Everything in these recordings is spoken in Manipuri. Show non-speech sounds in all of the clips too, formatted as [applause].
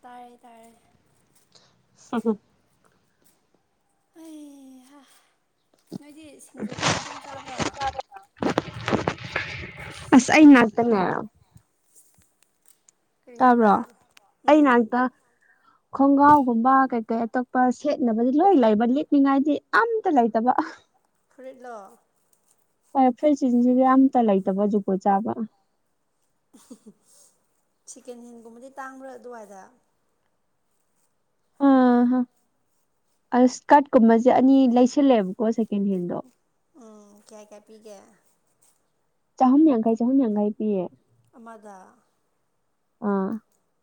ꯇꯥꯔꯦ ꯇꯥꯔꯦ ꯑꯩ ꯅꯣꯏꯗꯤ ꯁꯤꯡꯖꯨꯒꯨꯝꯕ ꯑꯗꯨꯝ ꯆꯥꯕ꯭ꯔꯥ ꯑꯁ ꯑꯩ ꯉꯥꯛꯛꯇꯅꯦ ꯀꯔꯤ ꯍꯥꯏꯕ ꯑꯩ ꯎꯝ ꯉꯥꯛꯇ ꯈꯣꯡꯒ꯭ꯔꯥꯎꯒꯨꯝꯕ ꯀꯩ ꯀꯩ ꯑꯇꯣꯞꯄ ꯁꯦꯠꯅꯕꯗꯤ ꯂꯣꯏ ꯂꯩꯕ ꯂꯤꯠꯅꯤꯡꯉꯥꯏꯗꯤ ꯑꯝꯇ ꯂꯩꯇꯕ ꯐꯨꯔꯤꯠꯂꯣ ꯍꯣꯏ ꯐꯔꯤ ꯆꯤꯟꯁꯤꯗꯤ ꯑꯇ ꯂꯩꯇꯕ ꯖꯨꯒꯣ ꯆꯥꯕ ꯁꯀꯦꯟ ꯍꯦꯟꯒꯨꯝꯕꯗꯤ ꯇꯥꯡꯕ꯭ꯔꯥ ꯑꯗꯨꯋꯥꯏꯗ ꯑꯥ ꯑ ꯀꯥꯔꯠ ꯀꯨꯝꯕꯁꯦ ꯑꯅꯤ ꯂꯩꯁꯜꯂꯑꯦꯕꯀꯣ ꯁꯦꯀꯦꯟ ꯍꯦꯟꯗꯣ ꯎꯝ ꯀꯌꯥ ꯀꯌꯥ ꯄꯤꯒꯦ ꯆꯍꯨꯝ ꯌꯥꯡꯈꯩ ꯆꯍꯨꯝ ꯌꯥꯡꯈꯩ ꯄꯤꯌꯦ ꯑꯃꯗ ꯑꯥ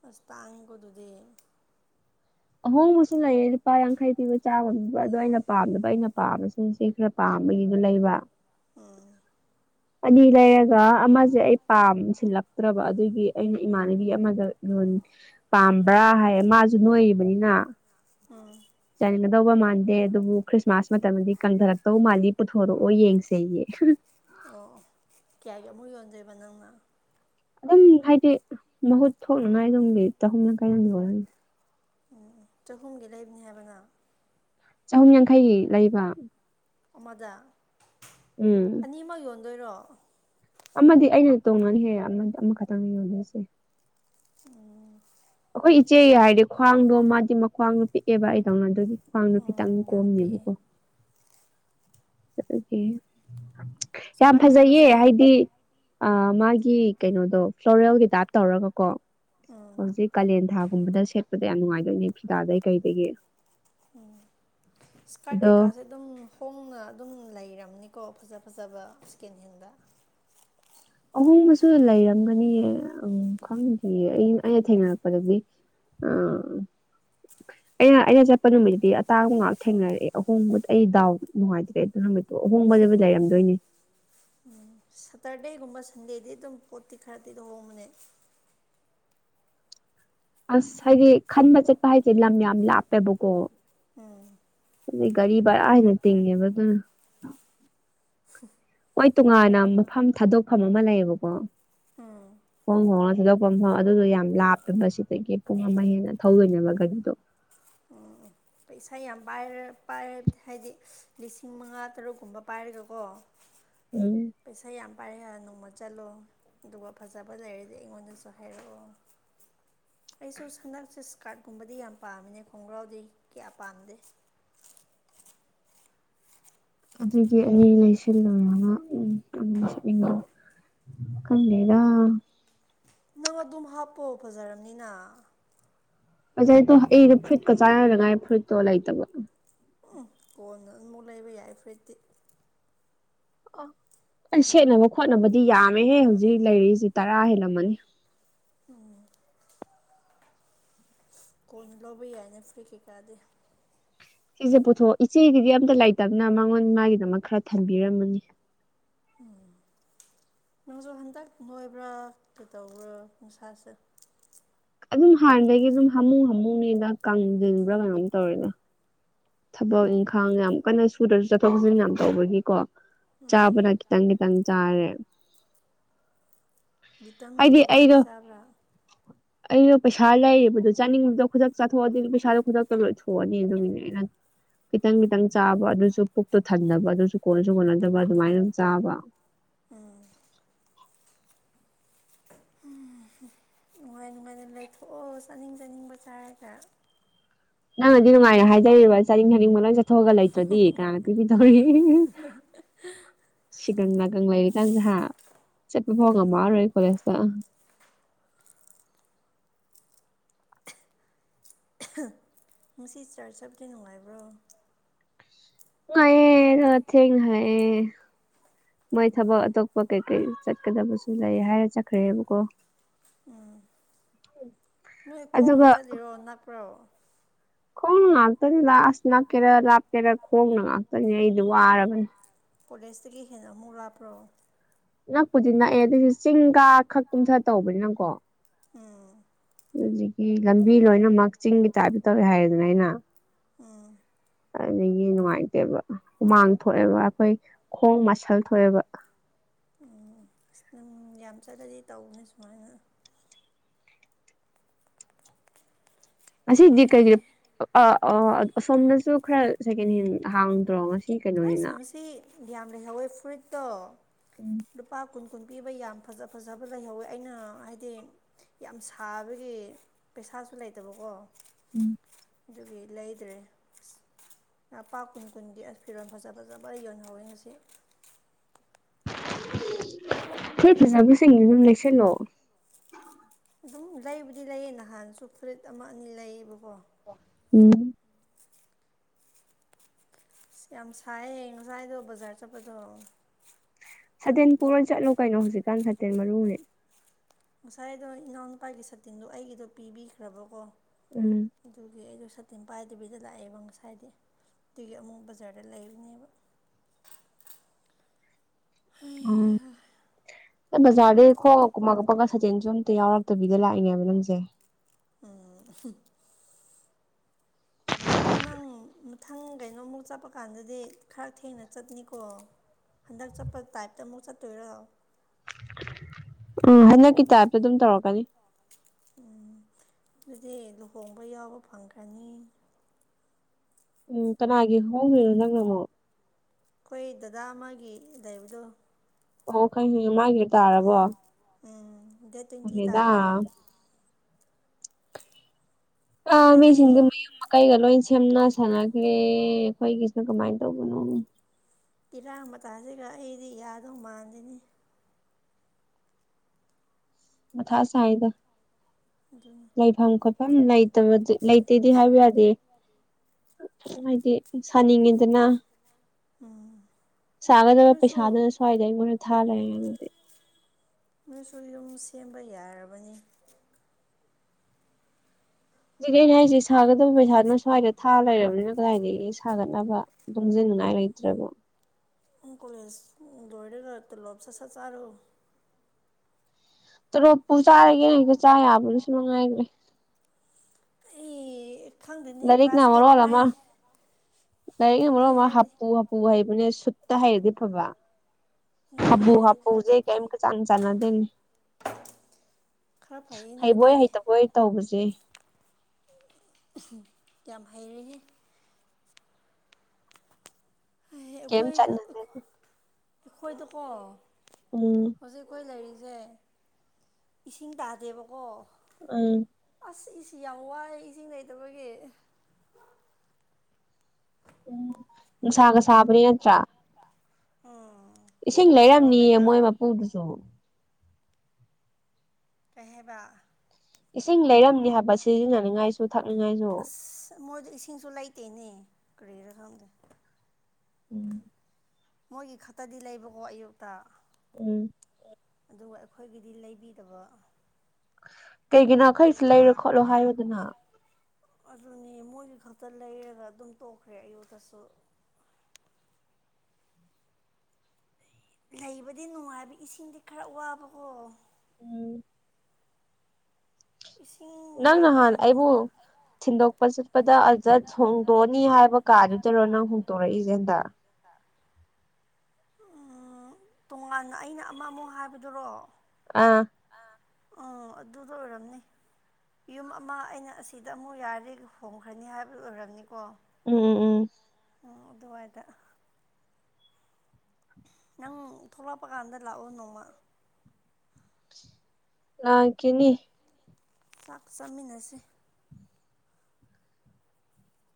ꯑꯁ ꯇꯥꯡꯒꯗꯨꯗꯤ ꯑꯍꯣꯡꯕꯁꯨ ꯂꯩꯌꯦ ꯂꯨꯄꯥ ꯌꯥꯡꯈꯩ ꯄꯤꯕ ꯆꯥꯕꯕ ꯑꯗꯣ ꯑꯩꯅ ꯄꯥꯝꯗꯕ ꯑꯩꯅ ꯄꯥꯝꯕꯁꯤꯡ ꯁꯤ ꯈꯔ ꯄꯥꯝꯝꯕ ꯕꯒꯤꯗꯨ ꯂꯩꯕ ꯎꯝ ꯑꯅꯤ ꯂꯩꯔꯒ ꯑꯃꯁꯦ ꯑꯩ ꯄꯥꯝꯁꯤꯜꯂꯛꯇ꯭ꯔꯕ ꯑꯗꯨꯒꯤ ꯑꯩꯅ ꯏꯃꯥꯟꯅꯕꯤ ꯑꯃꯗ ꯄꯥꯝꯕ꯭ꯔꯥ ꯍꯥꯏꯌꯦ ꯃꯥꯁꯨ ꯅꯣꯏꯔꯤꯕꯅꯤꯅ ꯎꯝ ꯆꯥꯅꯤꯡꯒꯗꯧꯕ ꯃꯥꯟꯗꯦ ꯑꯗꯨꯕꯨ ꯈ꯭ꯔꯤꯁꯃꯥꯁ ꯃꯇꯝꯗꯗꯤ ꯀꯪꯊꯔꯛꯇꯧ ꯃꯥꯜꯂꯤ ꯄꯨꯊꯣꯔꯛꯑꯣ ꯌꯦꯡꯁꯦ [inaudible] ꯑꯣ ꯑꯣ ꯀꯌꯥ ꯀꯌꯥꯃꯨꯛ ꯌꯣꯟꯗꯣꯏꯕ ꯅꯪꯅ ꯑꯗꯨꯝ ꯍꯥꯏꯗꯤ ꯃꯍꯨꯠ ꯊꯣꯛꯅꯉꯥꯏ ꯑꯗꯨꯝꯒꯤ ꯆꯍꯨꯝ ꯂꯪ ꯀꯥꯏꯔꯣ ꯌꯜꯍꯜ ꯎꯝ ꯆꯍꯨꯝꯒꯤ ꯂꯩꯕꯅꯤ ꯍꯥꯏꯕꯅ ꯆꯍꯨꯝ ꯌꯥꯡꯈꯩ ꯂꯩꯕ ꯑꯃꯗ ꯎꯝ ꯑꯅꯤꯃꯛ ꯌꯣꯟꯗꯣꯏꯔꯣ ꯑꯃꯗꯤ ꯑꯩꯅ ꯇꯣꯡꯉꯅꯤ ꯍꯦꯛ ꯑꯃꯈꯛꯇꯪ ꯌꯣꯟꯅꯔꯁꯦ ꯎꯝ ꯍꯈꯣꯏ ꯏꯆꯦꯒꯤ ꯍꯥꯏꯔꯗꯤ ꯈ꯭ꯋꯥꯡꯗꯣ ꯃꯥꯗꯤ ꯃꯈ ꯈ꯭ꯋꯥꯡꯗ ꯄꯤꯛꯑꯦꯕ ꯑꯩꯗꯧꯅ ꯑꯗꯨꯒꯤ ꯈ꯭ꯋꯥꯡꯗ ꯈꯤꯇꯪ ꯎꯝ ꯌꯥꯝ ꯄꯤꯛꯑꯦ ꯀꯣꯝꯅꯦꯕꯀꯣ ꯑꯗꯨꯗꯒꯤ ꯌꯥꯝ ꯐꯖꯩꯌꯦ ꯏꯁꯀꯥꯔꯠꯀꯨꯝꯕꯁꯦ ꯍꯥꯏꯗꯤ ꯑ ꯃꯥꯒꯤ ꯀꯩꯅꯣꯗꯣ ꯐ꯭ꯂꯣꯔꯦꯜꯒꯤ ꯇꯥꯏꯞ ꯇꯧꯔꯒꯀꯣ ꯎꯝ ꯍꯧꯖꯤꯛ ꯀꯥꯂꯦꯟ ꯊꯥꯒꯨꯝꯕꯗ ꯁꯦꯠꯄꯗ ꯌꯥꯝ ꯅꯨꯡꯉꯥꯏꯗꯣꯏꯅꯦ ꯐꯤꯗꯥꯗꯩ ꯀꯩꯗꯒꯤ ꯎꯝ ꯏꯁꯀꯥꯔꯠ ꯑꯗꯣ ꯀꯩꯀꯥꯁꯦ ꯑꯗꯨꯝ ꯍꯣꯡꯅ ꯑꯗꯨꯝ ꯂꯩꯔꯝꯃꯦ ꯑꯃꯅꯤꯝꯅꯤꯀꯣ ꯐꯖ ꯐꯖꯕ ꯁꯦꯀꯦꯟ ꯍꯦꯟꯗ ꯑꯍꯣꯡꯕꯁꯨ ꯂꯩꯔꯝꯒꯅꯤ ꯎ ꯈꯪꯗꯦꯌꯦ ꯑꯩꯅ ꯑꯩꯅ ꯊꯦꯡꯅꯔꯛꯄꯗꯗꯤ ꯑ ꯑꯩꯅ ꯑꯩꯅ ꯆꯠꯄ ꯅꯨꯃꯤꯠꯇꯗꯤ ꯑꯇꯥꯡꯕ ꯉꯥꯏꯍꯥꯛ ꯊꯦꯡꯅꯔꯛꯑꯦ ꯑꯍꯣꯡꯕꯨꯛ ꯑꯩ ꯗꯥꯎ ꯅꯨꯡꯉꯥꯏꯇ꯭ꯔꯦ ꯑꯗꯨ ꯅꯨꯃꯤꯠꯇ ꯑꯍꯣꯡꯕꯖꯕꯖꯥꯔꯝꯗꯣꯏꯅꯦ ꯁꯟꯒꯦꯗꯤ ꯑꯗꯨꯝ ꯄꯣꯠꯇꯤ ꯈꯔꯗꯤ ꯂꯨꯍꯣꯡꯕꯅꯦ ꯑꯁ ꯍꯥꯏꯗꯤ ꯈꯟꯕ ꯆꯠꯄ ꯍꯥꯏꯁꯦ ꯂꯝ ꯌꯥꯝ ꯂꯥꯞꯄꯦꯕꯀꯣ ꯎꯝ ꯑꯗꯨ ꯒꯥꯔꯤ ꯔꯥ ꯍꯥꯏꯦꯟꯅ ꯇꯤꯡꯉꯦꯕ ꯑꯗꯨꯅ ꯍ ꯍꯣꯏ ꯇꯣꯉꯥꯟꯅ ꯃꯐꯝ ꯊꯥꯗꯣꯛꯐꯝ ꯑꯃ ꯂꯩꯌꯦꯕꯀꯣ ꯍꯣꯡ ꯍꯣꯡꯉ ꯊꯥꯗꯣꯛ ꯃꯐꯝꯐꯝ ꯑꯗꯨꯗꯣ ꯌꯥꯝ ꯂꯥꯞꯄꯦꯕ ꯁꯤꯗꯒꯤ ꯄꯨꯡ ꯑꯃ ꯍꯦꯟꯅ ꯊꯧꯗꯣꯏꯅꯦꯅꯕ ꯒꯥꯔꯤꯗꯣ [inaudible] ꯄꯩꯁꯥ ꯌꯥꯝ ꯄꯥꯏꯔ ꯄꯥꯏ ꯍꯥꯏꯗꯤ ꯂꯤꯁꯤꯡ ꯃꯉꯥ ꯇꯔꯨꯛꯀꯨꯝꯕ ꯄꯥꯏꯔꯒꯀꯣ ꯎꯝ ꯄꯩꯁꯥ ꯌꯥꯝ ꯄꯔꯦꯍ ꯅꯣꯡꯃ ꯆꯠꯂꯣ ꯑꯗꯨꯒ ꯐꯖꯕ ꯂꯩꯔꯁꯦ ꯑꯩꯉꯣꯟꯗꯁꯨ ꯍꯥꯏꯔꯛꯑꯣ ꯑꯩꯁꯨ ꯍꯟꯗꯛꯁꯦ ꯏꯁꯀꯥꯔꯠꯀꯨꯝꯕꯗꯤ ꯌꯥꯝ ꯄꯥꯝꯃꯤꯅꯦ ꯈꯣꯡꯒ꯭ꯔꯥꯎꯗꯤ ꯀꯌꯥ ꯄꯥꯝꯗꯦ ꯑꯗꯨꯒꯤ ꯑꯅꯤ ꯂꯩꯁꯤꯜꯂꯨꯔꯅ ꯎꯝ ꯑꯗꯨꯝ ꯁꯅꯤꯡꯉꯣ ꯈꯪꯗꯦꯗ ꯅꯪ ꯑꯗꯨꯝ ꯍꯥꯞꯄꯣ ꯐꯖꯔꯕꯅꯤꯅ ꯑꯣꯖꯥꯏꯗꯣ ꯑꯩꯗ ꯐ꯭ꯔꯨꯏꯠꯀ ꯆꯥꯅꯅꯉꯥꯏ ꯐꯨꯏꯠꯇꯣ ꯂꯩꯇꯕ ꯎꯝ ꯀꯣꯟꯅ ꯑꯗꯨ ꯑꯃꯨꯛ ꯂꯩꯕ ꯌꯥꯏ ꯐꯨꯔꯤꯗꯤꯤ ꯑ ꯑꯩ ꯁꯦꯠꯅꯕ ꯈꯣꯠꯅꯕꯗꯤ ꯌꯥꯝꯃꯦꯍꯦ ꯍꯧꯖꯤꯛ ꯂꯩꯔꯤꯁꯤꯦ ꯇꯔꯥ ꯍꯦꯜꯂꯝꯃꯅꯤ ꯎꯝ ꯀꯣꯟꯅ ꯂꯧꯕ ꯌꯥꯏꯅꯦ ꯐ꯭ꯔꯤ ꯀꯩꯀꯥꯗꯤ ꯁꯤꯁꯦ ꯄꯨꯊꯣꯛ ꯏꯆꯦꯒꯤꯗꯤ ꯑꯝꯇ ꯂꯩꯇꯛꯅ ꯃꯉꯣꯟ ꯃꯥꯒꯤꯗꯃꯛ ꯈꯔ ꯊꯝꯕꯤꯔꯝꯃꯅꯤ ꯎꯝ ꯅꯪꯁꯨ ꯍꯟꯗꯛ ꯂꯣꯏꯕ꯭ꯔꯥ ꯀꯩꯗꯧꯕ꯭ꯔꯥ ꯅꯨꯡꯁꯥꯁꯦ ꯑꯗꯨꯝ ꯍꯥꯟꯅꯗꯒꯤ ꯑꯗꯨꯝ ꯍꯥꯃꯨ ꯍꯥꯃꯨꯅꯤꯗ ꯀꯪꯁꯤꯟꯕ꯭ꯔꯥ ꯀꯩꯅꯣꯝ ꯇꯧꯔꯤꯗ ꯊꯕꯛ ꯏꯪꯈꯥꯡ ꯌꯥꯝ ꯀꯟꯅ ꯁꯨꯔꯁꯨ ꯆꯠꯊꯣꯛ ꯆꯠꯁꯤꯟ ꯌꯥꯝ ꯇꯧꯕꯒꯤꯀꯣ ꯎꯝ ꯆꯥꯕꯅ ꯈꯤꯇꯪ ꯈꯤꯇꯪ ꯆꯥꯔꯦ ꯚꯤꯇꯥꯝꯤꯟ ꯍꯥꯏꯗꯤ ꯀꯩ ꯀꯥꯗꯤ ꯑꯩꯗꯣ ꯆꯕ꯭ꯔ ꯑꯩꯗꯣ ꯄꯩꯁꯥ ꯂꯩꯔꯤꯕꯗꯨꯣ ꯆꯥꯅꯤꯡꯕꯗꯣ ꯈꯨꯗꯛ ꯆꯥꯊꯣꯛꯑꯗꯤ ꯄꯩꯁꯥꯗꯣ ꯈꯨꯗꯛꯇ ꯂꯣꯏꯊꯣꯛꯑꯅꯤ ꯑꯗꯨꯃꯤꯅꯦ ꯑꯩꯅ ꯈꯤꯇꯪ ꯈꯤꯇꯪ ꯆꯥꯕ ꯑꯗꯨꯁꯨ ꯄꯨꯛꯇꯣ ꯊꯟꯗꯕ ꯑꯗꯨꯁꯨ ꯀꯣꯟꯅꯁꯨ ꯀꯣꯟꯅꯗꯕ ꯑꯗꯨꯃꯥꯏꯅ ꯑꯗꯨꯝ ꯆꯥꯕ ꯎꯝ ꯅꯨꯡꯉꯥꯏ ꯅꯨꯡꯉꯥꯏꯅ ꯂꯩꯊꯣꯛꯑꯣ ꯆꯥꯅꯤꯡ ꯆꯥꯅꯤꯡꯕ ꯆꯥꯏꯔꯒ ꯅꯪꯅꯗꯤ ꯅꯨꯡꯃꯥꯏꯅ ꯍꯥꯏꯖꯔꯤꯕ ꯆꯥꯅꯤꯡ ꯍꯅꯤꯡꯕ ꯂꯣꯏ ꯆꯠꯊꯣꯛꯑꯒ ꯂꯩꯇ꯭ꯔꯗꯤ ꯀꯅꯥꯅꯣ ꯄꯤꯕꯤꯗꯧꯔꯤ ꯁꯤꯒꯪꯅꯒꯪ ꯂ ꯂꯩ ꯆꯠꯄ ꯐꯉ ꯑꯗꯨꯅꯤ ꯃꯥꯔꯣꯏ ꯀꯂꯦꯖ ꯉꯁꯤ ꯆꯥꯔꯖ ꯆꯞꯗꯤ ꯅꯨꯡꯉꯥꯏꯕ꯭ꯔꯣ ꯉ ꯍꯥꯏ ꯃꯣꯏ ꯊꯕ ꯇꯣꯄ ꯀ ꯀ ꯆꯠꯀꯗꯕꯁꯨ ꯂꯩ ꯍꯥꯏꯔꯦ ꯆꯠꯈ꯭ꯔꯦꯕꯀꯣ ꯎꯝ ꯅꯣꯏ ꯈꯣꯡꯅ ꯆꯠꯂꯤꯔꯣ ꯅꯛꯄ꯭ꯔꯣ ꯍꯣꯡꯅꯥꯛꯇꯅꯤ ꯂꯥꯁꯅ ꯀꯦꯔ ꯂꯥꯛꯞꯇꯦꯔ ꯈꯣꯡꯅꯪꯥꯛꯇꯅꯤꯅꯦ ꯑꯩꯗꯤ ꯋꯥꯔꯒꯅꯤ ꯀꯣꯂꯦꯖꯇꯒꯤ ꯍꯦꯟꯅ ꯑꯃꯨꯛ ꯂꯥꯞꯄ꯭ꯔꯣ ꯅꯛꯄꯨꯗꯤ ꯅꯛꯑꯦ ꯑꯗꯨꯗꯩꯁꯨ ꯆꯤꯡ ꯀ ꯈꯛ ꯀꯨꯝꯊ ꯇꯧꯕꯅꯤꯅꯀꯣ ꯎꯝ ꯑꯗꯨꯖꯤꯗꯒꯤ ꯂꯝꯕꯤ ꯂꯣꯏꯅꯃꯛ ꯆꯤꯡꯒꯤ ꯇꯥꯏꯞꯇ ꯇꯧꯋꯦ ꯍꯥꯏꯔꯦꯗꯅ ꯑꯩꯅ ꯎꯝ ꯑꯗꯨꯗꯒꯤ ꯅꯨꯡꯉꯥꯏꯇꯦꯕ ꯍꯨꯃꯥꯡ ꯊꯣꯛꯑꯦꯕ ꯑꯩꯈꯣꯏ ꯈꯣꯡ ꯃꯁꯜ ꯊꯣꯛꯑꯦꯕ꯫ ꯎꯝ ꯑꯁ ꯑꯗꯨꯝ ꯌꯥꯝ ꯆꯠꯂꯗꯤ ꯇꯧꯕꯅꯦ ꯁꯨꯃꯥꯏꯅ ꯑꯁꯤꯗꯤ ꯀꯩꯒꯤ ꯑ ꯑ ꯑꯁꯣꯝꯗꯁꯨ ꯈꯔ ꯁꯦꯀꯦꯟ ꯍꯦꯟ ꯍꯥꯡꯗ꯭ꯔꯣ ꯉꯁꯤ꯫ ꯑꯁ ꯀꯩꯅꯣꯅꯤꯅ ꯉꯁꯤ ꯌꯥꯝ ꯂꯩꯍꯧꯋꯦ ꯐꯨꯔꯤꯠꯇꯣ ꯎꯝ ꯂꯨꯄꯥ ꯀꯨꯟ꯫ ꯁꯀꯨꯟ ꯄꯤꯕ ꯌꯥꯝ ꯐꯖ ꯐꯖꯕ ꯂꯩꯍꯧꯋꯦ ꯑꯩꯅ ꯍꯥꯏꯗꯤ ꯌꯥꯝ ꯁꯥꯕꯒꯤ ꯄꯩꯁꯥ ꯑꯁꯥꯁꯨ ꯂꯩꯇꯕꯀꯣ꯫ ꯎꯝ꯫ ꯑꯗꯨꯒꯤ ꯂꯩꯗ꯭ꯔꯦ ꯑꯁ ꯂꯄꯥ ꯀꯨꯟ ꯀꯨꯟꯗꯤ ꯑ ꯐꯤꯔꯣꯟ ꯐꯖ ꯐꯖꯕ ꯑꯩꯒꯤ ꯑꯣꯏꯅꯍꯧꯋꯤ ꯉꯁꯤ ꯍꯣꯏ ꯐꯖꯕꯁꯤꯡ ꯑꯗꯨꯝ ꯂꯩꯁꯜꯂꯣ ꯑꯗꯨꯝ ꯂꯩꯕꯨꯗꯤ ꯂꯩꯌꯦ ꯅꯍꯥꯟꯁꯨ ꯐꯨꯔꯤꯠ ꯑꯃ ꯑꯅꯤ ꯂꯩꯌꯦꯕꯀꯣ ꯎꯝ ꯌꯥꯝ ꯁꯥꯏꯌꯦꯌꯦ ꯉꯁꯥꯏꯗꯣ ꯕꯖꯥꯔ ꯆꯠꯄꯗꯣ ꯁꯇꯦꯜ ꯄꯨꯔ ꯆꯠꯂꯣ ꯀꯩꯅꯣ ꯍꯧꯖꯤꯛꯀꯥꯟ ꯁꯥꯇꯦꯜ ꯃꯔꯨꯅꯦꯦ ꯉꯁꯥꯏ ꯑꯗꯣ ꯏꯅꯥꯎꯅꯨꯄꯥꯒꯤ ꯁꯥꯠꯇꯤꯟꯗꯣ ꯑꯩꯒꯤꯗꯣ ꯄꯤꯕꯤꯈ꯭ꯔꯕꯀꯣ ꯎꯝ ꯑꯗꯨꯒꯤ ꯑꯩꯗ ꯁ ꯇꯝꯄꯥꯥꯏ ꯇꯦꯕꯤꯗ ꯂꯥꯛꯑꯦꯕ ꯉꯁꯥꯏꯗꯤ ꯑꯗꯨꯒꯤ ꯑꯃꯨꯛ ꯕꯖꯥꯔꯗ ꯂꯩꯕꯅꯦꯕ [inaudible] ꯑꯣ ꯑꯦ ꯕꯖꯥꯔꯗꯩꯈꯣ ꯀꯃ ꯀꯄꯒ ꯁꯥꯇꯤꯟꯁꯨ ꯑꯝꯇ ꯌꯥꯎꯔꯛꯇꯕꯤꯗ ꯂꯥꯛꯏꯅꯦꯕ ꯅꯪꯁꯦ ꯑꯝ ꯑꯗꯣ ꯅꯪ ꯃꯊꯪ ꯀꯩꯅꯣꯃꯨꯛ ꯆꯠꯄ ꯀꯥꯟꯗꯗꯤ ꯈꯔ ꯊꯦꯡꯅ ꯆꯠꯅꯤꯀꯣ ꯍꯟꯗꯛ ꯆꯠꯄ ꯇꯥꯏꯞꯇ ꯑꯃꯨꯛ ꯆꯠ ꯇꯣꯏꯔꯑꯣ ꯎꯝ ꯍꯟꯗꯛꯀꯤ ꯇꯥꯏꯞꯇ ꯑꯗꯨꯝ ꯇꯧꯔꯛꯀꯅꯤ ꯎꯝ ꯑꯗꯨꯗꯤ ꯂꯨꯍꯣꯡꯕ ꯌꯥꯎꯕ ꯐꯪꯈ꯭ꯔꯅꯤ ꯎꯝ ꯀꯅꯥꯒꯤꯦ ꯍꯣꯡꯕꯤꯣ ꯅꯪꯅ ꯑꯃꯣ ꯑꯩꯈꯣꯏ ꯗꯗꯥ ꯑꯃꯒꯤꯗꯥꯏꯕꯗꯣ ꯑꯣ ꯈꯪ ꯍ ꯃꯥꯒꯤ ꯇꯥꯔꯕꯣ ꯎꯝ ꯗꯦꯠ ꯇ꯭ꯋꯦꯟꯇꯤ ꯈꯪꯉꯦꯗ ꯇꯥꯕꯅꯦꯕ ꯑ ꯈꯪꯗꯦꯅꯦ ꯃꯤꯁꯤꯡ ꯃꯌꯃ ꯀꯒꯂꯣ ꯁꯦꯝꯅ ꯁꯥꯟꯅꯈ꯭ꯔꯦ ꯑꯩꯈꯣꯏꯒꯤꯁꯤꯅ ꯀꯃꯥꯏꯅ ꯇꯧꯕꯅꯣ ꯏꯔꯥꯡ ꯃꯇꯁꯤꯒ ꯑꯩꯗꯤ ꯌꯥꯗꯧ ꯃꯥꯟꯗꯅꯤ ꯃꯊꯥ ꯁꯥꯏꯗ ꯑꯗꯨꯅꯤ ꯂꯩꯐꯝ ꯈꯣꯄ ꯝ ꯂꯩꯇꯕ ꯂꯩꯇꯦꯗꯤ ꯍꯥꯏꯕ ꯌꯥꯗꯦ ꯍꯥꯏꯗꯤ ꯁꯥꯅꯤꯡꯉꯤꯗꯅ ꯎꯝ ꯁꯥꯒꯗ ꯄꯩ ꯅꯣꯏꯁꯨ ꯁꯥꯗꯗ ꯁꯋꯥꯗ ꯃꯅ ꯊꯔꯥꯏꯗꯤ ꯅꯣꯏꯁꯨ ꯌꯨꯝ ꯁꯦꯝꯕ ꯌꯥꯔꯕꯅꯤ ꯍꯧꯖꯤꯛ ꯑꯩꯅ ꯍꯥꯏꯁꯤ ꯁꯥꯒꯗꯕ ꯄꯩꯁꯥꯗꯨꯅ ꯁ꯭ꯋꯥꯏꯗ ꯊꯥ ꯂꯩꯔꯕꯅꯤꯅ ꯀꯗꯥꯏꯗꯒꯤ ꯁꯥꯒꯠꯅꯕ ꯑꯗꯨꯝ ꯅꯥ ꯂꯩ ꯏꯇ꯭ꯔꯕꯣ ꯀꯣꯂꯦꯖ ꯂꯣꯏꯔꯒ ꯇꯂꯣꯞ ꯁꯠ ꯁꯠ ꯆꯥꯔꯨ ꯇꯔꯣꯄꯨ ꯆꯥꯔꯒꯦꯅ ꯍꯦꯛꯇ ꯆꯥ ꯌꯥꯕꯗꯨꯁꯨ ꯅꯨꯡꯉꯥꯏꯈ꯭ꯔꯦ ꯈꯪꯗꯅꯤ ꯂꯥꯏꯔꯤꯛꯅ ꯀ꯭ꯂꯥꯁ ꯑꯦꯠ ꯃꯔꯣꯜ ꯑꯃ ꯅꯥꯏꯟ ꯂꯥꯏꯔꯤꯛꯅ ꯃꯔꯨꯞ ꯅꯣꯏ ꯑꯃ ꯍꯥꯏꯔꯗꯤ ꯍꯥꯄꯨ ꯍꯥꯄꯨ ꯍꯩꯕꯅꯦ ꯁꯨꯠꯇ ꯍꯩꯔꯗꯤ ꯐꯕ ꯅꯣꯏ ꯍꯥꯕꯕꯨ ꯍꯥꯏꯔꯗꯤ ꯍꯥꯄꯨꯖꯦ ꯈꯔꯗꯤ ꯐꯩ ꯀꯦꯝꯇ ꯆꯥꯗꯤ ꯆꯅꯗꯅꯤ ꯈꯔ ꯐꯩꯌꯦ ꯅꯣꯏꯗꯤ ꯍꯩꯕꯣꯏ ꯍꯩꯇꯕꯣꯏ ꯇꯧꯕꯁꯦ ꯌꯥꯝ ꯍꯩꯔꯦꯍꯦ ꯀ ꯑꯩꯈꯣꯏꯗ ꯆꯠꯅꯅꯦ ꯑꯩꯈꯣꯏꯗꯀꯣ ꯎꯝ ꯍꯧꯖꯤꯛ ꯀꯣꯏ ꯂꯩꯔꯤꯁ ꯁꯦ ꯏꯁꯤꯡ ꯇꯥꯗꯦꯕꯀꯣ ꯑꯝ ꯑꯁ ꯏꯁꯤ ꯌꯥꯝ ꯋꯥꯏꯑꯦ ꯏꯁꯤꯡ ꯂꯩꯇꯕꯒꯤ ꯎꯝ ꯁꯥꯥꯒ ꯁꯥꯥꯕꯔ ꯅꯠꯇ꯭ꯔꯥ ꯑꯣ ꯏꯁꯤꯡ ꯂꯩꯔꯝꯅꯤꯌꯦ ꯃꯣꯏ ꯃꯄꯨꯗꯨꯁꯨ ꯀꯍꯕ ꯏꯁꯤꯡ ꯂꯩꯔꯝꯅꯤ ꯍꯥꯏꯕ ꯁꯤꯖꯤꯟꯅꯅꯤꯡꯉꯥꯏꯁꯨ ꯊꯛꯅꯤꯡꯉꯥꯏꯁꯨ ꯑꯁ ꯃ ꯏꯁꯤꯡꯁꯨ ꯂꯩꯥꯏꯇꯦꯅꯦ ꯀꯔꯤꯔꯝ ꯎꯝ ꯃꯣꯏꯒꯤ ꯈꯛꯇꯗꯤ ꯂꯩꯕꯀꯣ ꯑꯌꯨꯛꯇ ꯎꯝ ꯑꯗꯨꯒ ꯑꯩꯈꯣꯏꯒꯤꯗꯤ ꯂꯩꯕꯤꯗꯕ ꯀꯩꯒꯤꯅꯣꯈꯩꯁꯨ ꯂꯩꯔꯣ ꯈꯣꯠꯂꯣ ꯍꯥꯏꯌꯣꯗꯅ ꯑꯗꯨꯅꯦ ꯃꯣꯏꯗꯤ ꯈꯛꯇ ꯂꯩꯔꯒ ꯑꯗꯨꯝ ꯇꯣꯛꯈ꯭ꯔꯦ ꯑꯌꯨꯗꯁꯨ [inaudible] ꯂꯩꯕꯗꯤ ꯅꯨꯡꯉꯥꯏꯕ ꯏꯁꯤꯡꯗꯤ ꯈꯔ ꯋꯥꯕꯀꯣ ꯑ ꯏꯁꯤꯡ ꯅꯪ ꯃꯔꯥꯡ ꯅꯍꯥꯟ ꯀꯥꯏꯅ ꯑꯩꯕꯨ ꯐꯪꯕ ꯊꯤꯟꯗꯣꯛꯄ ꯆꯠꯄꯗ ꯑꯖꯠ ꯍꯣꯡꯗꯣꯛꯑꯅꯤ ꯍꯥꯏꯕ ꯀꯥꯗꯨꯗꯔꯣ ꯅꯪ ꯍꯣꯡꯇꯣꯔꯛꯏꯁꯦ ꯍꯟꯗꯛ ꯎꯝ ꯇꯣꯉꯥꯟꯅ ꯑꯩꯅ ꯑꯃ ꯑꯃꯨꯛ ꯍꯥꯏꯕꯗꯨꯔꯣ ꯑꯥ ꯑꯣ ꯑꯗꯨꯗ ꯑꯣꯏꯔꯝꯅꯤ ꯌꯨꯝ ꯑꯃ ꯑꯩꯅ ꯑꯁꯤꯗ ꯑꯃꯨꯛ ꯌꯥꯔꯗꯤ ꯍꯣꯡꯈ꯭ꯔꯅꯤ ꯍꯥꯏꯕ ꯑꯣꯏꯔꯝꯅꯤꯀꯣ ꯎꯝ ꯎꯝ ꯎꯝ ꯎ ꯑꯗꯨꯋꯥꯏꯗ ꯅꯪ ꯊꯣꯛꯂꯛꯄ ꯀꯥꯟꯗ ꯂꯥꯛꯑꯣ ꯅꯣꯡꯃ ꯂꯥꯛꯀꯦꯅꯤ ꯆꯥꯛ ꯆꯥꯃꯤꯟꯅꯁꯦ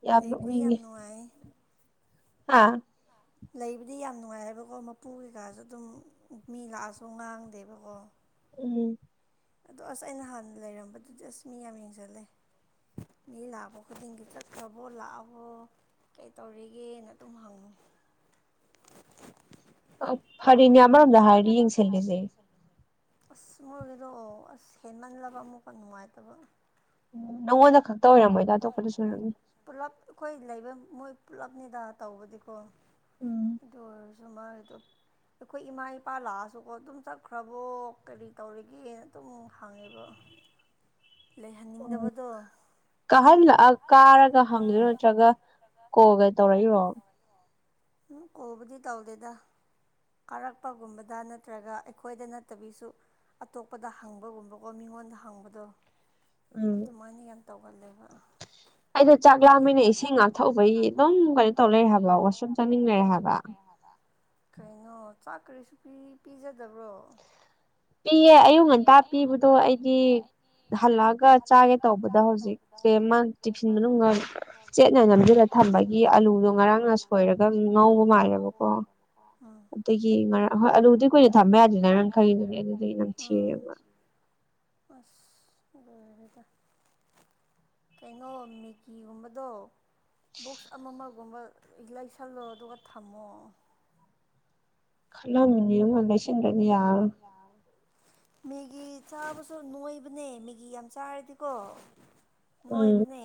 ꯌꯥꯝ ꯂꯩꯕꯗꯤ ꯌꯥꯝ ꯅꯣꯛꯅꯤꯡꯒꯦ ꯅꯨꯡꯉꯥꯏ ꯑꯥ ꯂꯩꯕꯗꯤ ꯌꯥꯝ ꯅꯨꯡꯉꯥꯏ ꯍꯥꯏꯕꯀꯣ ꯃꯄꯨ ꯀꯩꯀꯥꯁꯨ ꯑꯗꯨꯝ ꯃꯤ ꯂꯥꯛꯑꯁꯨ ꯉꯥꯡꯗꯦꯕꯀꯣ ꯎꯝ ꯑꯗꯣ ꯑꯁ ꯑꯩꯅ ꯍꯥꯟꯅ ꯂꯩꯔꯝꯕꯗꯨꯗꯤ ꯑꯁ ꯃꯤ ꯌꯥꯝ ꯌꯦꯡꯁꯤꯜꯂꯦ ꯃꯤ ꯂꯥꯛꯄ ꯈꯨꯗꯤꯡꯒꯤ ꯆꯠꯈ꯭ꯔꯕꯣ ꯂꯥꯛꯑꯕꯣ ꯀꯩ ꯇꯧꯔꯤꯒꯦꯅ ꯑꯗꯨꯝ ꯍꯪꯕꯅꯦ [inaudible] ꯐꯔꯦꯅꯦ ꯑꯃꯔꯣꯝꯗ ꯍꯥꯏꯗꯤ ꯌꯦꯡꯁꯤꯜꯂꯤꯁꯦ ꯑꯁ ꯃꯣꯏꯒꯤꯗꯣ ꯑꯣ ꯑꯁ ꯍꯦꯟꯃꯜꯂꯕ ꯑꯃꯨꯛꯈꯛ ꯅꯨꯡꯉꯥꯏꯇꯕ ꯎ ꯅꯉꯣꯟꯗ ꯈꯛꯇ ꯑꯣꯏꯔꯝꯃꯣꯏꯗ ꯑꯇꯣꯞꯄꯗꯁꯨ ꯑꯣꯏꯔꯝꯅꯤ ꯄꯨꯂꯞ ꯑꯩꯈꯣꯏ ꯂꯩꯕ ꯃꯣꯏ ꯄꯨꯜꯂꯞꯅꯤꯗ ꯇꯧꯕꯗꯤꯀꯣ ꯎꯝ ꯑꯗꯨ ꯑꯣꯏꯔꯁꯨ ꯃꯥꯒꯤꯗꯣ ꯑꯩꯈꯣꯏ ꯏꯃꯥ ꯏꯄꯥ ꯂꯥꯛꯑꯁꯨꯀꯣ ꯑꯗꯨꯝ ꯆꯠꯈ꯭ꯔꯕꯣ ꯀꯔꯤ ꯇꯧꯔꯤꯒꯦꯅ ꯑꯗꯨꯝ ꯍꯪꯉꯦꯕ [inaudible] ꯑꯣ ꯂꯩꯍꯟꯅꯤꯡꯗꯕꯗꯣ ꯀꯥꯍꯜꯂꯛꯑ ꯀꯥꯔꯒ ꯍꯪꯒꯤꯔꯣ ꯅꯠꯇ꯭ꯔꯒ ꯀꯣꯜꯒ ꯇꯧꯔꯛꯏꯔꯣ ꯎ ꯀꯣꯜ ꯕꯨꯗꯤ ꯇꯧꯗꯦꯗ ꯀꯥꯔꯛꯄꯒꯨꯝꯕꯗ ꯅꯠꯇ꯭ꯔꯒ ꯑꯩꯈꯣꯏꯗ ꯅꯠꯇꯕꯤꯁꯨ ꯑꯇꯣꯞꯄꯗ ꯍꯪꯕꯒꯨꯝꯕꯀꯣ ꯃꯤꯉꯣꯟꯗ ꯍꯪꯕꯗꯣ ꯎꯝ ꯑꯗꯨꯃꯥꯏꯅ ꯌꯥꯝ ꯇꯧꯒꯜꯂꯦꯕ ꯑꯩꯗꯣ ꯆꯥꯛꯂꯥꯩꯅ ꯏꯁꯤꯡ ꯉꯥꯛꯊꯧꯕꯒꯤ ꯑꯗꯨꯝ ꯀꯩꯅꯣ ꯇꯧ ꯂꯩꯔ ꯍꯥꯏꯕꯣ ꯋꯥꯁꯔꯨꯝ ꯆꯪ ꯃꯤꯅꯔ ꯍꯥꯏꯕ ꯀꯩꯅꯣ ꯆꯥꯛ ꯀꯔꯤꯁꯨ ꯄꯤꯖꯗꯕ꯭ꯔꯣ ꯄꯤꯌꯦ ꯑꯌꯨꯛ ꯉꯟꯇꯥ ꯄꯤꯕꯗꯣ ꯑꯩꯗꯤ ꯍꯜꯂꯛꯑꯒ ꯆꯥꯒꯦ ꯇꯧꯕꯗ ꯍꯧꯖꯤꯛꯁꯦ ꯃꯥ ꯇꯤꯐꯤꯟ ꯃꯅꯨꯡꯗ ꯆꯦꯠꯅ ꯅꯝꯁꯤꯜꯂ ꯊꯝ ꯊꯝꯕꯒꯤ ꯑꯥꯂꯨꯗꯣ ꯉꯔꯥꯡꯅ ꯁꯣꯏꯔꯒ ꯑꯗꯨꯝ ꯉꯧꯕ ꯃꯥꯜꯂꯦꯕꯀꯣ ꯎꯝ ꯑꯗꯒꯤ ꯉꯔꯥꯡ ꯍꯣꯏ ꯑꯂꯨꯗꯤ ꯀꯨꯏꯅ ꯊꯝꯕ ꯌꯥꯗꯦ ꯅ ꯅꯥꯟ ꯈꯩ ꯑꯗꯨꯗꯒꯤ ꯅꯝꯊꯤꯔꯦꯕꯥ ꯑꯁ ꯑꯣꯏ ꯗ ꯀꯩꯅꯣ ꯃꯦꯀꯤꯒꯨꯝꯕꯗꯣ ꯕꯣꯛꯁ ꯑꯃꯃꯒꯨꯝꯕ ꯂꯩꯁꯜꯂꯣ ꯑꯗꯨꯒ ꯊꯝꯃꯣ ꯂꯩꯁꯤꯟꯗꯔ꯭ꯗꯤ ꯌꯔꯔꯣꯏ ꯃꯦꯒꯤ ꯆꯥꯕꯁꯨ ꯅꯣꯏꯕꯅꯦ ꯃꯦꯒꯤ ꯌꯥꯝ ꯆꯥꯔꯗꯤꯀꯣ ꯎꯝ ꯅꯣꯏꯕꯅꯦ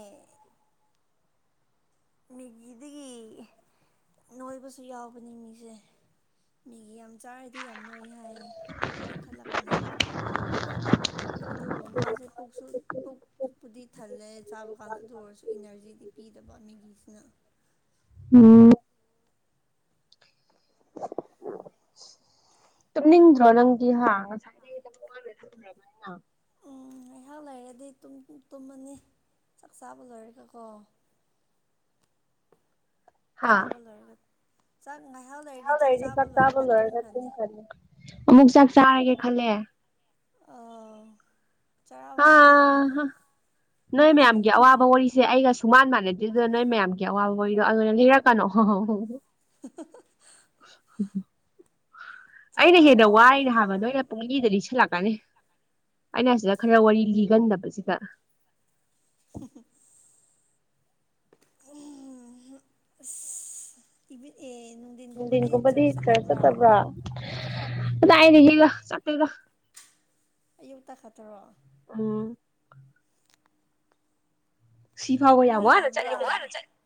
ꯃꯦꯒꯤꯗꯒꯤ ꯅꯣꯏꯕꯁꯨ ꯌꯥꯎꯕꯅꯦ ꯃꯤꯁꯦ ꯃꯤꯒꯤ ꯌꯥꯝ ꯆꯥꯔꯗꯤ ꯌꯥꯝ ꯅꯣꯏ ꯍꯥꯏꯌꯦ ꯅꯣꯏꯈꯠꯂꯛꯄꯅꯦ ꯑꯗꯨꯕꯨ ꯃꯥꯁꯦ ꯄꯨꯛꯁꯨ ꯄꯨꯛꯄꯨꯗꯤ ꯊꯜꯂꯦ ꯆꯥꯕ ꯀꯥꯟꯗ ꯑꯗꯨ ꯑꯣꯏꯔꯁꯨ ꯏꯅꯔꯖꯤꯗꯤ ꯐꯤꯗ ꯥꯃꯃꯦꯒꯤ ꯁꯅ ꯎꯝ ꯇꯨꯝꯅꯤꯡꯗ꯭ꯔꯣ ꯅꯪꯗꯤ ꯍꯥ ꯉꯁꯥꯏ ꯅ [inaudible] ꯌꯥꯦ ꯑꯗꯨꯗꯩ ꯇꯨꯝꯃꯅꯤ ꯆꯥꯛ ꯆꯥꯕ ꯂꯣꯏꯔꯦꯒꯀꯣ ꯆꯥꯕ ꯑꯣꯏꯔ ꯆ ꯂꯩꯔꯗꯤ ꯆꯥꯛ ꯆꯥꯕ ꯂꯣꯏꯔꯒ ꯇꯨꯝꯈ꯭ꯔꯅꯤ ꯈꯂ ꯑꯃꯨꯛ ꯆꯥꯛ ꯆꯥꯔꯒꯦ ꯈꯜꯂꯦ ꯆꯔꯥ ꯍꯥ ꯋꯥꯟꯒꯤ ꯇꯧꯕ ꯍꯥ ꯅꯣꯏ ꯃꯌꯥꯝꯒꯤ ꯑꯋꯥꯕ ꯋꯥꯔꯤꯁꯦ ꯑꯩꯒ ꯁꯨꯃꯥꯟ ꯃꯥꯟꯅꯗꯦ ꯑꯗꯨꯅ ꯅꯣꯏ ꯃꯌꯥꯝꯒꯤ ꯑꯋꯥ ꯕꯔꯤꯗꯣ ꯑꯗꯨꯅ ꯂꯩꯔꯛꯀꯅꯣ ꯑꯩꯅ ꯆꯔꯥ ꯍꯦꯟꯅ ꯋꯥꯜꯂꯒ ꯋꯥꯏꯅ ꯍꯥꯏꯕꯗꯣ ꯑꯩꯅ ꯄꯨꯡꯗꯤꯗꯗꯤ ꯁꯤꯜꯂꯛꯄ ꯅꯤ ꯑꯩꯅ ꯁꯤꯗ ꯈꯔ ꯋꯥꯔꯤ ꯂꯤꯒꯟꯗꯕꯁꯤꯗ ꯏꯚ ꯤꯟ ꯀꯨꯝꯄꯗꯤ ꯀꯁ ꯇꯕ꯭ꯔꯥ ꯇꯥꯏꯅꯦ ꯍꯒ ꯆꯇꯒ ꯑꯌꯨꯛꯇ ꯈꯠꯇ꯭ꯔꯣ ꯑꯝ ꯁꯤ ꯐꯥꯎꯕ ꯃꯤ ꯌꯥꯝ ꯋꯥꯅ ꯌꯥꯝꯕ꯭ꯔꯥ ꯆꯠꯂꯤꯕꯖꯥꯠꯦ